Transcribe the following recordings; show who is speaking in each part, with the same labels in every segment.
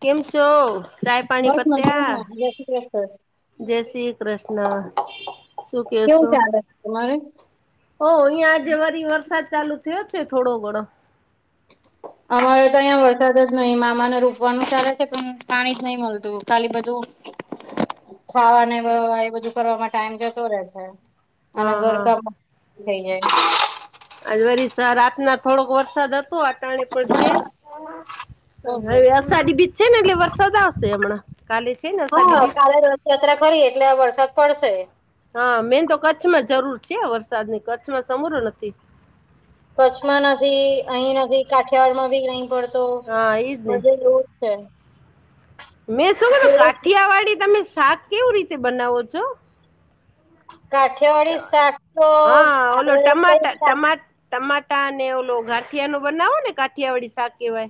Speaker 1: કેમ છો? ચાય પાણી
Speaker 2: બસ
Speaker 1: પત્યા.
Speaker 2: મજામાં જય શ્રી કૃષ્ણ
Speaker 1: જય શ્રી કૃષ્ણ, શું કહો
Speaker 2: કેવું
Speaker 1: છો?
Speaker 2: ચાલે છે તમારે
Speaker 1: ઓ અહિયાં આજે [unintelligible] વરસાદ ચાલુ થયો છે, થોડો ઘણો.
Speaker 2: [inaudible] અમારે તો અહીયાં વરસાદ જ નહી મામાને રોપવાનું ચાલે છે, પણ પાણી જ નહી મળતું ખાલી બધું ખાવાને એ બધું કરવામાં ટાઈમ જતો રહેેશે. અને
Speaker 1: હા
Speaker 2: ઘર
Speaker 1: હા
Speaker 2: કામ થઈ જાય.
Speaker 1: આ વરી રાતના થોડોક વરસાદ હતો.
Speaker 2: હમ
Speaker 1: હવે, અષાઢી બીજ છે, ને એટલે વરસાદ આવશે હમણાં. કાલે છે ને અષાઢી
Speaker 2: હા,
Speaker 1: બીજ
Speaker 2: કાલે રથયાત્રા કરી એટલે વરસાદ પડશે.
Speaker 1: હા, મેન તો કચ્છમાં જરૂર છે, વરસાદની કચ્છમાં સરૂર નથી.
Speaker 2: કચ્છમાં નથી, અહી નથી કાઠિયાડમાં ભી નહી પડતો
Speaker 1: હા એજ ને
Speaker 2: બધ છે
Speaker 1: મેં શું કીધું કાઠિયાવાડી તમે શાક કેવી રીતે બનાવો છો?
Speaker 2: કાઠિયા
Speaker 1: હા, ઓલો ટમા
Speaker 2: કઈ શાક
Speaker 1: ટમાટાર ટમાટર અને ઓલો ગાંઠિયાનો બનાવો ને ગાઠિયા વાળી શાક કહેવાય.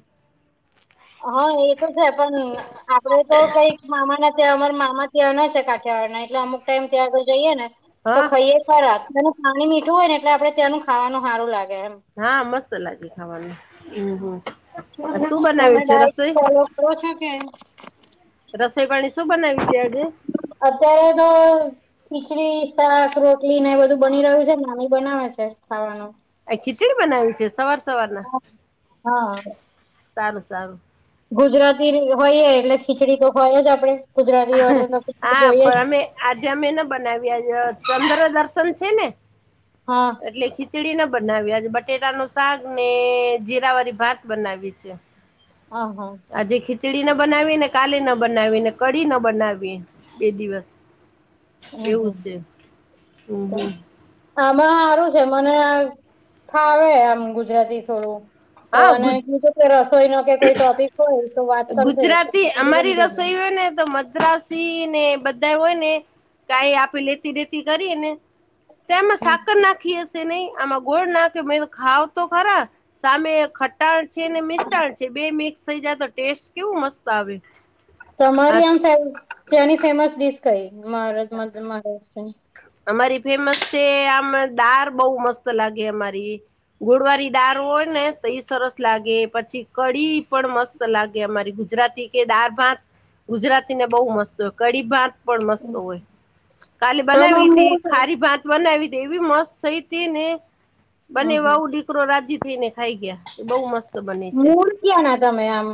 Speaker 2: હા, એ તો છે પણ આપને તો કઈક મામાના ત્યાં અમારા મામા ત્યાંનો છે, કાઠિયા વાડી એટલે અમુક ટાઈમ ત્યાં આગળ જઈએ, ને તો
Speaker 1: હા
Speaker 2: ખાઈએ. [unintelligible] તેનું પાણી મીઠું હોય ને એટલે આપણે ત્યાંનું ખાવાનું સારું લાગે એમ.
Speaker 1: હા, મસ્ત લાગે ખાવાનું. હંમ હંમ શું
Speaker 2: તમે
Speaker 1: બનાવેલુ છે
Speaker 2: ડાયટ
Speaker 1: રસોઈ?
Speaker 2: ફોલો કરો છો કે
Speaker 1: રસોઇ પાણી શું બનાવીયું છે આજે?
Speaker 2: અત્યારે તો ખીચડી, શાક, રોટલી ને એ બધું બની રહ્યું છે, નાની બનાવે છે ખાવાનું.
Speaker 1: આ ખીચડી બનાવી છે, સવાર સવારના?
Speaker 2: હા.
Speaker 1: સારું, સારું.
Speaker 2: ગુજરાતી હોયએ એટલે ખીચડી તો હોય જ આપડે ગુજરાતી થાળી ખીચડી
Speaker 1: હા પણ
Speaker 2: હોયજ
Speaker 1: અમે આજે અમે ન બનાવ્યા ચંદ્ર દર્શન છે ને?
Speaker 2: હા.
Speaker 1: એટલે ખીચડીના બનાવી આજે બટેકા ને શાક ને જીરા વાળી ભાત બનાવી છે.
Speaker 2: આ હા.
Speaker 1: આજે ખીચડી ન બનાવી ને કાલે ન બનાવીને કઢી ન બનાવી બે દિવસ એવું છે હમ
Speaker 2: [unintelligible]
Speaker 1: હમ
Speaker 2: તો આમાં એવુ છે મને ફાવે આમ ગુજરાતી થોડું તો
Speaker 1: હા
Speaker 2: અને
Speaker 1: ગુજ
Speaker 2: કીધું કે રસોઈ નો કે કોઈ ટોપિક હોય તો વાત કરશે તો મે
Speaker 1: ગુજરાતી
Speaker 2: કીધું
Speaker 1: અમારી
Speaker 2: વાંધો નય
Speaker 1: રસોઈ હોય ને તો મદ્રાસીને બધા હોય ને કાઈ આપી લેતી દેતી કરીએ ને તેમાં
Speaker 2: કરી
Speaker 1: સાકર નાખી હશે નહી આમાં ગોળ નાખે ખાવ તો ખરા સામે ખટાણ છે, ને મિસ્ટાણ છે, બે મિક્સ થઇ જાય તો ટેસ્ટ કેવું મસ્ત આવે. હા
Speaker 2: તમારી આમ ત્યાંની ફેમસ ડીશ કઈ [unintelligible] મહારાષ્ટ્રની.
Speaker 1: અમારી ફેમસ છે, આમ દાર બઉ મસ્ત લાગે અમારી ગોળવાળી દાળ હોય ને તો એ સરસ લાગે પછી કઢી પડ મસ ત લાગે અમારી ગુજરાતી કે દાળ ભાત ગુજરાતીને બહું મસ્ત કડી ભાત પણ મસ્ત હોય. કાલે
Speaker 2: તમામ
Speaker 1: બનાવી હતી,
Speaker 2: મૂળ
Speaker 1: ખારી ભાત બનાવી હતી, એવી મસ્ત થઈ તી ને બને
Speaker 2: હમ
Speaker 1: દીકરો રાજી થઈ ને ખાઈ ગયા એ બહુ મસ્ત ત બની છે,
Speaker 2: મૂળ ક્યાં ના તમે આમ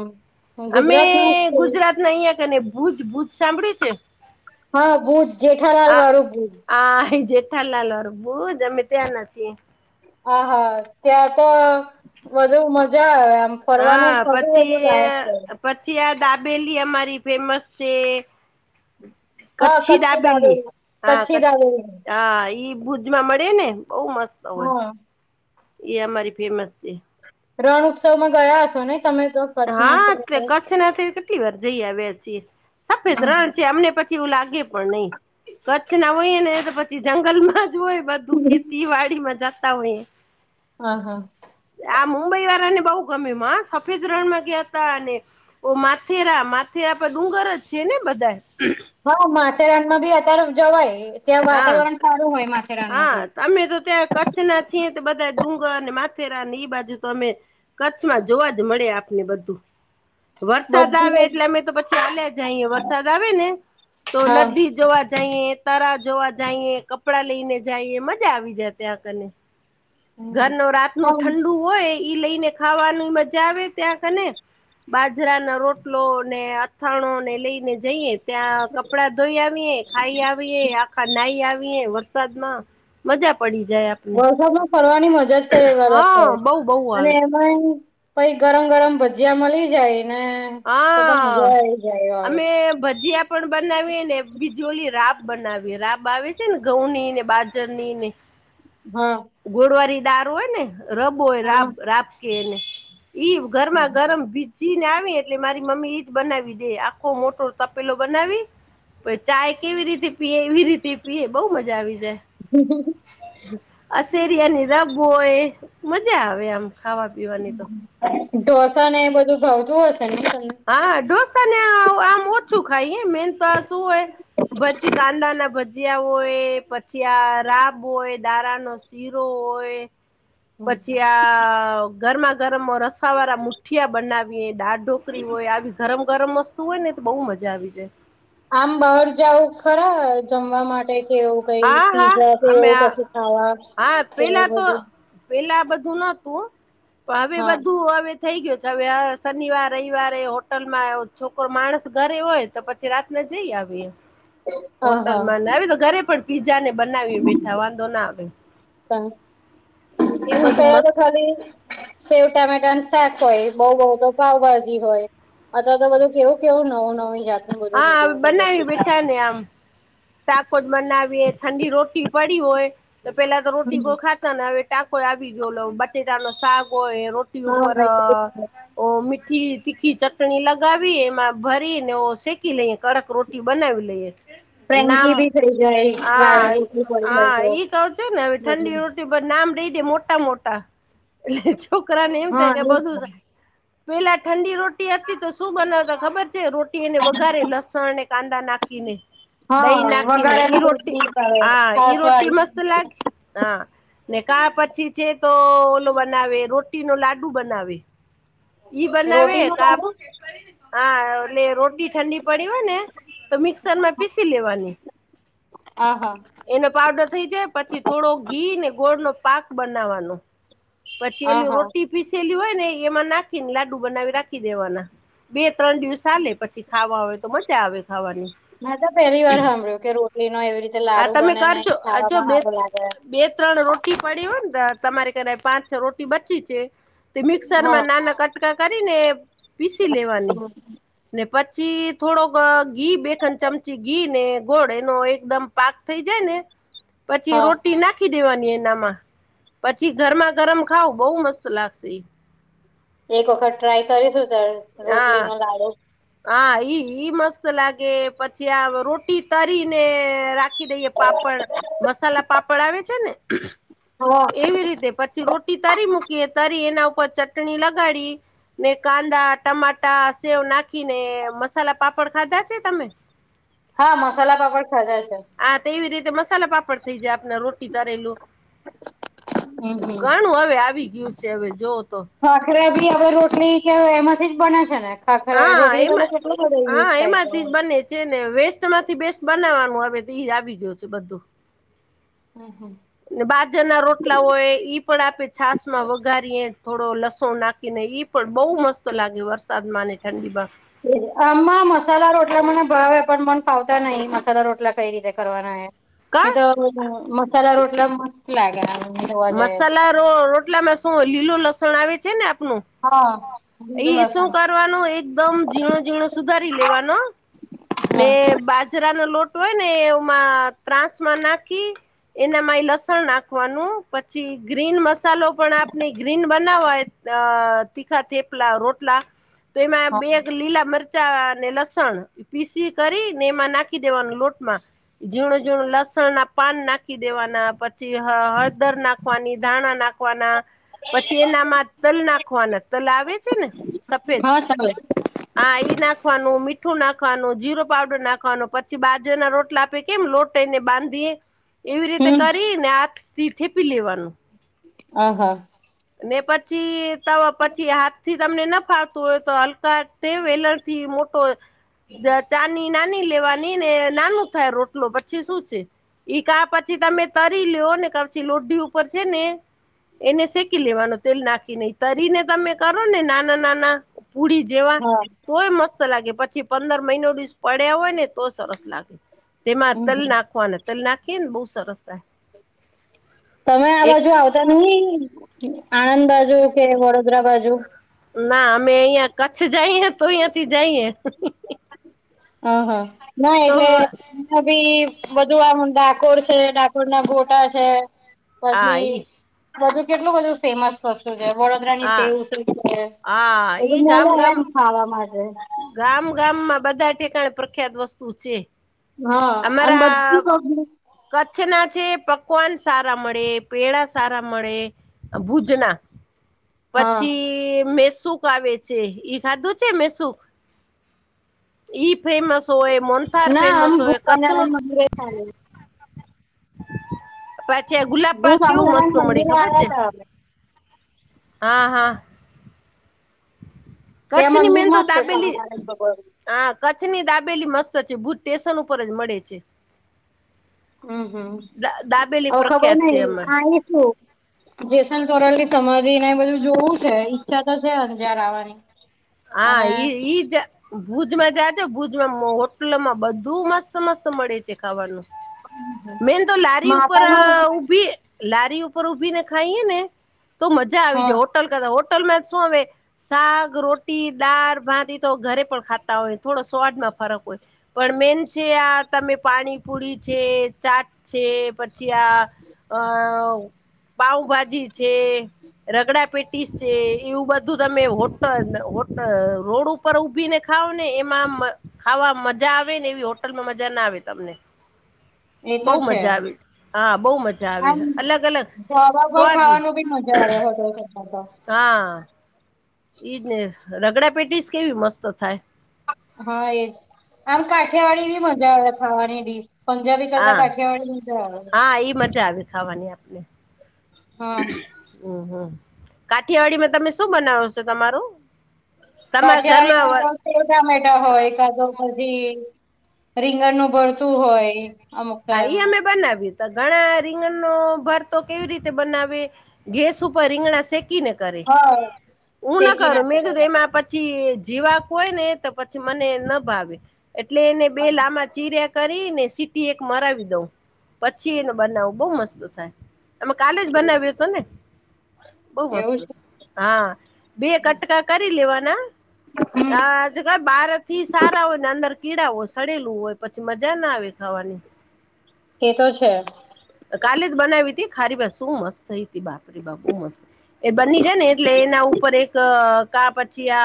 Speaker 1: અમે
Speaker 2: ગુજરાત ના
Speaker 1: ગુજરાત. અહીંયા કેને ભૂજ ભૂજ સાંભળ્યું છે.
Speaker 2: હા, બુજ જેઠાલાલ
Speaker 1: આ
Speaker 2: વાળું બુજ
Speaker 1: આ એ જેઠાલાલ અર બુજ અમે ત્યાંના છે.
Speaker 2: હા હા ત્યા તો વધુ મજા આવે આમ. ફરવાનું
Speaker 1: હા
Speaker 2: ખબર બધું
Speaker 1: પછી
Speaker 2: [unintelligible] છે.
Speaker 1: પછી આ દાબેલી અમારી ફેમસ છે.
Speaker 2: હા
Speaker 1: કચ્છી દાબેલી હા ક
Speaker 2: કચ્છી દાબેલી
Speaker 1: હા ઈ ભુજમાં મળે ને બઉ મસ્ત હોય.
Speaker 2: હા
Speaker 1: એ અમારી ફેમસ છે.
Speaker 2: રણ ઉત્સવમાં ગયા હશો ને તમે તો? કચ્છના
Speaker 1: હા
Speaker 2: છો
Speaker 1: તે
Speaker 2: એટલે
Speaker 1: કચ્છનાથી કેટલી વાર જઈ આવ્યા છે સફેદ
Speaker 2: હમ
Speaker 1: રણ છે અમને પ એવું લાગે પણ નય કચ્છના હોય ને તો પછી જંગલમાં ધૂ હોય બધું ખેતીવાડીમાં જતા હોય.
Speaker 2: હા હા
Speaker 1: આ મુંબઈવાળા ને બવ ગમ્યુંમાં સફેદ ત્રણ વગ્યા તા અને માથેરા માથેરા પર ડુંગર જ છે ને બધા
Speaker 2: હા માથેરણમા બી અત્યારે જવાય ત્યાં
Speaker 1: હા
Speaker 2: વાતાવરણ સારું હોય મા
Speaker 1: હા અમે તો ત્યાં કચ્છના છે તો બધા ડુંગર અને માથેરા ને એ બાજુ તો અમે કચ્છમાં જોવા જ મળે આપને બધું વરસાદ
Speaker 2: બધું
Speaker 1: આવે
Speaker 2: જ
Speaker 1: એટલે અમે તો પછી આલ્યા જઈએ વરસાદ આવે ને તો
Speaker 2: હા
Speaker 1: નદી જોવા જ જઈએ તારા જોવા જઈએ કપડાં લઈને જઈએ મજા આવી જાય ત્યાં કને
Speaker 2: હમ
Speaker 1: ઘરનું રાતનું
Speaker 2: હા
Speaker 1: ઠંડુ હોય એ લઈને ખાવાની મજા આવે ત્યાં કને બાજરાના રોટલો ને અથાણો ને લઈને જઈએ ત્યાં ક પડા ધોઈ આવીએ ખાઈ આવીએ આખા નાઈ આવીએ વરસાદમાં મજા પડી જાય આપને
Speaker 2: વરસાદમાં ફરવાની મજાજ કંઈક અલગ
Speaker 1: હા
Speaker 2: હોય
Speaker 1: બઉ બહુ
Speaker 2: અને
Speaker 1: આવે
Speaker 2: એમાં પહિ ગરમ ગરમ ભજીયા મલી જાય ને તો તો મજા
Speaker 1: હા
Speaker 2: આવી જાય હા
Speaker 1: અમે ભજીયા પણ બનાવીએ ને બીજી ઓલી રાબ બનાવીએ રાબ આવે છે ને ઘઉંની ને બાજરની ને
Speaker 2: હા.
Speaker 1: ગોડવારી દાળ હોય ને રબ હોય રાબ
Speaker 2: હા
Speaker 1: રાબ કે એને ઈ ગરમા ગરમ ભીજીને આવીયે એટલે મારી મમ્મી ઈજ બનાવી દે આખો મોટો તપેલો બનાવી ચાય કેવી રીતે પીએ એવી રીતે પીએ બહુ મજા આવી જાય. અશેરિયાની રબ હોય મજા આવે આમ ખાવા પીવાની તો
Speaker 2: ઢોસાને એ બધું ભાવતું હશે ને
Speaker 1: હા ઢોસા ને આમ ઓછું ખાઈ મેન તો શું હોય ભજ કાદાના ભજીયા ભજીયા હોય પછી આ રાબ હોય દારાનો શીરો હોય. પછી આ ગરમા ગરમ રસાવાળા મુઠિયા બનાવીએ. ઢોકળી હોય આવી ગરમ ગરમ વસ્તુ હોય ને તો બહુ મજા આવી જાય.
Speaker 2: આમ બહાર જાવ ખરા જમવા માટે કે એવું પહી
Speaker 1: હા હા
Speaker 2: પીઝા કે
Speaker 1: અમે
Speaker 2: એવું કશું ખાવા
Speaker 1: હા
Speaker 2: એવું
Speaker 1: પેલા તો
Speaker 2: બધું
Speaker 1: પેલા બધું નતું હ પણ હવે
Speaker 2: હા
Speaker 1: બધું હવે થઈ ગયું છે હવે શનિવાર રવિવારે એ હોટલમાં છોકરો માણસ ઘરે હોય તો પછી રાતને જઈ આવીએ.
Speaker 2: હ
Speaker 1: હોટલમાં
Speaker 2: હા
Speaker 1: હવે તો ઘરે પણ પીઝાને બનાવી બેઠા વાંધોના આવે. એવું
Speaker 2: હા
Speaker 1: બધું
Speaker 2: પહેલા તો
Speaker 1: મસ્ત
Speaker 2: ખાલી સેવ ટામેટાનુ શાક હોય બોવ બોવ તો પાવભાજી હોય. અથવા તો બધું કેવું કેવું નવું નવી જાત નું બધું
Speaker 1: હા
Speaker 2: નીકળ્યું છે.
Speaker 1: બનાવી બેઠા આમ ટાકોજ બનાવીએ ઠંડી રોટી પડી હોય તો પેલા તો રોટી કો ખા હવે ટાકોઈ આવી જો બટેટાનો શાક હોય રોટી ઉપર
Speaker 2: હા
Speaker 1: ઓ મીઠી તીખી ચટણી લગાવી એમાં ભરીને શેકી લઈ કડક રોટી ઈ બનાવી લઈએ. નામ
Speaker 2: ફ્રેન્કી બી થઈ જાય વા રોટલી પડી હોય
Speaker 1: હા
Speaker 2: તો
Speaker 1: ઈ જ છે ને ઠંડી
Speaker 2: બધું
Speaker 1: ઓછી નામ રહી દે મોટા મોટા એટલે છોકરાને એમ
Speaker 2: હા
Speaker 1: થાય કે
Speaker 2: એ જ ને.
Speaker 1: બધું. પહેલા ઠંડી રોટલી હતી તો શું બનાવતા ખબર છે રોટીને વઘારે લસણ અને કાંદા નાખીને.
Speaker 2: હા
Speaker 1: દહી નાખીને ઈ
Speaker 2: વઘારેલું
Speaker 1: રોટી
Speaker 2: રોટલી આવે
Speaker 1: હા ઈ
Speaker 2: છાસ
Speaker 1: રોટી મસ્ત
Speaker 2: વાળી
Speaker 1: લાગે હા. ને કા પછી છે તો ઓલો બનાવે રોટી નો લાડુ બનાવે. ઈ બનાવે
Speaker 2: રોટી નું
Speaker 1: કા
Speaker 2: લાગે
Speaker 1: હા એટલે રોટલી ઠંડી પડી હોય ને તો મિક્સર માં પીસી લેવાની.
Speaker 2: હા હા.
Speaker 1: એનો પાવડર થઈ જાય પછી થોડો ઘીને ગોળ નો પાક બનાવવાનો. પછી
Speaker 2: આ
Speaker 1: એલી
Speaker 2: હા
Speaker 1: રોટી પીસેલી હોય ને એમાં નાખીને લાડુ બનાવી રાખી દેવાના. બે ત્રણ દિવસ ચાલે પછી ખાવા હોય તો મજા આવે ખાવાની.
Speaker 2: મેં તો પહેલી વાર સાંભળ્યું કે રોટલી નો એવી રીતે.
Speaker 1: હા
Speaker 2: લાડુ
Speaker 1: તમે
Speaker 2: બને ને
Speaker 1: કરજો આ જો
Speaker 2: ખાવામાં
Speaker 1: બે
Speaker 2: સારો લાગે
Speaker 1: બે ત્રણ રોટલી પડી હોય ને તમારે પાંચ છ રોટી બચી છે તે
Speaker 2: હા
Speaker 1: મિક્સરમાં નાના કટકા કરીને પીસી લેવાની. ને પછી થોડોક ઘી બેસન ચમચી ઘી ને ગોળ એનો એકદમ પાક થઈ જાય ને પછી
Speaker 2: હા
Speaker 1: રોટી નાખી દેવાની એનામાં. પછી ગરમા ગરમ ખાવ બહુ મસ્ત લાગશે ઈ.
Speaker 2: એક વખત ટ્રાય કરીશું ત્યારે
Speaker 1: હા
Speaker 2: રોટલીનો લાડો.
Speaker 1: હા ઈ મસ્ત લાગે પછી આ રોટી તળીને. નાખી દઈએ પાપડ મસાલા પાપડ આવે છે ને.
Speaker 2: હા
Speaker 1: એવી રીતે પછી રોટી તરી મૂકી તરી એના ઉપર ચટણી લગાડી. ને કાંદા ટમાટા સેવ નાખીને મસાલા પાપડ ખાધા છે તમે.
Speaker 2: હા મસાલા પાપડ ખાધા છે.
Speaker 1: આ તેવી રીતે મસાલા પાપડ થઈ જાય આપણે રોટી તરેલું.
Speaker 2: હમ હમ
Speaker 1: ઘણું હવે આવી ગયું છે હવે જોવ તો.
Speaker 2: ભાખારા ભી હવે રોટલી કે એમાંથી જ બને છે ને. આખરે
Speaker 1: હા
Speaker 2: રોટલી નો તો
Speaker 1: એમાં
Speaker 2: કેટલો બધો યુઝ
Speaker 1: હા
Speaker 2: થાય છે.
Speaker 1: એમાંથી જ બને છે ને વેસ્ટ માંથી બેસ્ટ બનાવાનું હવે તો એ આવી ગયું છે બધું.
Speaker 2: હમ હમ.
Speaker 1: ને બાજરના રોટલાઓ એ ઈ પણ આપે છાસ માં વઘારીએ થોડો લસણ નાખીને ઈ. પણ બહુ મસ્ત લાગે વરસાદ માને ઠંડીમાં.
Speaker 2: આમાં મસાલા રોટલા મને ભાવે પણ મન ફાવતા નહી મસાલા રોટલા કઈ રીતે કરવાના એમ. એ
Speaker 1: કા
Speaker 2: તો મસાલા રોટલા મસ્ત લાગે. જોવા જઈએ તો.
Speaker 1: મસાલા રો રોટલામાં શું લીલું લસણ આવે છે ને આપનું.
Speaker 2: હા લીલું
Speaker 1: ઈ શું
Speaker 2: લસણ
Speaker 1: કરવાનું એકદમ ઝીણો ઝીણો સુધારી લેવાનો.
Speaker 2: હા
Speaker 1: ને બાજરાનો લોટ હોય ને એમાં ત્રાસમાં નાખી. એનામાં એ લસણ નાખવાનું પછી ગ્રીન મસાલો પણ આપને ગ્રીન. બનાવાય તીખા થેપલા રોટલા તો એમાં
Speaker 2: હા
Speaker 1: બે લીલા મરચા. કાંદા અને લસણ પીસી કરીને એમાં નાખી દેવાનું લોટમાં. ઝીણું ઝીણું લસણના પાન નાખી દેવાના પછી. હળદર નાખવાની ધાણા નાખવાના. પછી એનામાં તલ નાખવાના તલ આવે છે ને સફેદ.
Speaker 2: હા ચાલે
Speaker 1: હા ઈ નાખવાનું મીઠું નાખવાનું જીરો પાવડર નાખવાનું પછી બાજર ના રોટલા આપે. કેમ લોટને બાંધીએ એવી રીતે
Speaker 2: હમ
Speaker 1: કરીને હાથ થી થેપી લેવાનું.
Speaker 2: હ હ.
Speaker 1: ને પછી પછી હાથથી તમને ન ફાવતું હોય તો હલકા. તે વેલણ થી મોટો. ચાની નાની લેવાની ને નાનું થાય રોટલો પછી શું છે. ઈ કા પછી તમે તરી લ્યો ને પછી લોઢી ઉપર છે ને એને શે. લેવાનો તેલ નાખી નહી તરીને તમે કરો ને નાના નાના પુડી. જેવા
Speaker 2: હા
Speaker 1: તોય મસ્ત લાગે પછી પંદર મહિનો દિવસ પડ્યા હોય ને તો સરસ લાગે. તેમાં
Speaker 2: હમ
Speaker 1: તલ
Speaker 2: હમ
Speaker 1: નાખવાના તલ નાખીએ ને બહુ સરસ. થાય
Speaker 2: તમે આ
Speaker 1: એક
Speaker 2: બાજુ આવતા નહીં આણંદ બાજુ. કે વડોદરા બાજુ.
Speaker 1: ના અમે અહિયાં કચ્છ જઈએ તો અહિયાંથી જઈએ.
Speaker 2: હ હા ના
Speaker 1: તો
Speaker 2: એટલે. ભી બધું આમ ડાકોર છે ડાકોર ના ગોટા છે.
Speaker 1: હા
Speaker 2: પછી
Speaker 1: ઈ
Speaker 2: બધું કેટલું બધું ફેમસ. સસ્તુ છે વડોદરા ની
Speaker 1: હા
Speaker 2: સેવઉસળ છે
Speaker 1: હા
Speaker 2: બધું
Speaker 1: ઈ
Speaker 2: મળે
Speaker 1: ગામ ગામ
Speaker 2: એમ ખાવા માટે.
Speaker 1: ગામ ગામમાં બધા ઠેકાણે પ્રખ્યાત વસ્તુ છે.
Speaker 2: હા અને
Speaker 1: અમારા.
Speaker 2: બધું
Speaker 1: કચ્છના છે પકવાન સારા મળે પેડા સારા મળે ભુજના.
Speaker 2: હા
Speaker 1: પછી મેસુ. આવે છે, ખાધું છેને, મેસુ ઈ ફેમસ હોય. મોહનથાર ફેમસ હોય કચ્છ નું
Speaker 2: હા
Speaker 1: પછી ગુલાબ
Speaker 2: ભુજ
Speaker 1: પાક કેવું મસ્ત
Speaker 2: સ્વામિનારાયણ
Speaker 1: મળે
Speaker 2: મંદિરે
Speaker 1: ખબર
Speaker 2: આવ્યા
Speaker 1: છે.
Speaker 2: હતા અમે
Speaker 1: હા હા
Speaker 2: ત્યાં
Speaker 1: કચ્છની
Speaker 2: મંદિર
Speaker 1: મેન તો
Speaker 2: મસ્ત છે
Speaker 1: દાબેલી
Speaker 2: સ્વામિનારાયણ ભગવાનનું.
Speaker 1: હા કચ્છ ની દાબેલી મસ્ત છે ભુજ સ્ટેશન ઉપર જ મળે છે.
Speaker 2: હમ હમ
Speaker 1: દાબેલી
Speaker 2: અવ ખબર
Speaker 1: પ્રખ્યાત છે એમાં
Speaker 2: નઈ જેસલ તોરલ કે સમાધિ ને એ બધું જોવું છે ઈચ્છા તો છે, અંજાર આવવાની
Speaker 1: હા
Speaker 2: અને
Speaker 1: જ ભુજમાં જાજો ભુજમાં હોટલમાં બધું મસ્ત મસ્ત મળે છે. ખાવાનું મેન તો લારી ઉપર
Speaker 2: માતાનું
Speaker 1: ઊભી. લારી ઉપર ઊભી ને ખાઈએે ને તો મજા આવી
Speaker 2: હા
Speaker 1: જાય. [unintelligible] હોટલ મે શું હવે શાક રો દાળ ભાત તો ઘરે પણ ખાતા હોય થોડો સ્વાદ માં ફરક હોય. પણ મેન છે આ તમે પાણીપુરી છે, ચાટ છે પછી આ અ પાઉભાજી છે. રગડા પેટીસ છે, એવું બધું તમે હોટ અ રોડ ઉપર ઉભીને ખાાવને એમાં ખાવામાં મજા આવે ને એવી હોટલમાં મજા ના આવે તમને
Speaker 2: [inaudible] એતો
Speaker 1: બહુ
Speaker 2: છે
Speaker 1: મજા આવી હા બહુ મજા
Speaker 2: [inaudible]
Speaker 1: આવી
Speaker 2: આમ
Speaker 1: અલગ અલગ
Speaker 2: ઢાબા
Speaker 1: સ્વાદ
Speaker 2: ખાવાનું બી મ જ હોટલ ખટા તો
Speaker 1: હા ઈજ ને રગડા પેટીસ કેવી મસ્ત થાય.
Speaker 2: હા એજ આમ કાઠિયાવાડી બી મજા આવે ખાવાની ડીશ પંજાબી કરતા
Speaker 1: હા
Speaker 2: કાઠિયાવાડી મજા આવે
Speaker 1: હા ઈ મજા આવે ખાવાની આપને
Speaker 2: હા
Speaker 1: હમ હમ કાઠિયાવાડીમાં તમે શું બનાવો છો, તમારુ
Speaker 2: કાઠિિયાારીમાં તો સેવ ટમેટા હોય, કાતો પછી રીંગણ નું ભળતું હોય. અમુક
Speaker 1: હા
Speaker 2: ટાઈમ
Speaker 1: ઈ હમે બનાવીએ. ઘણા રીંગણનો ભરતો કેવી રીતે બનાવે, ગેસ ઉપર રીંગણા શેકીને કરે
Speaker 2: હા
Speaker 1: હું ના
Speaker 2: શેકી
Speaker 1: કર મે
Speaker 2: નાખે
Speaker 1: કતે
Speaker 2: પેલા
Speaker 1: મે પ પછી જીવાક હોય, ને તો પછી મને ન ભાવે એટલે એને બે લામા ચીરે કરીને સીટી એક મરાવી દઉં, પછી એને બનાવું બહુ મસ્ત થાય. અમે કાલે જ બનાવ્યો હતો ને, બહુ મસ્ત
Speaker 2: એવું છે
Speaker 1: હા બે કટકા કરી લેવાના હા આજ કઈ બાર થી સારા હોય ને અંદર કીળાઓ સડેલું હોય, પછી મજા ના આવે ખાવાની
Speaker 2: એ તો છે.
Speaker 1: કાલે જ બનાવી તી ખારી વાત શું મસ્ત થઈ તી બાપરી બા બહુ મસ્ત થ એ બની છે ને એટલે એના ઉપર એક કા પછી આ